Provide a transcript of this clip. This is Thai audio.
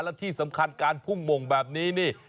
และที่สำคัญการพุ่งหม่งแบบนี้นี่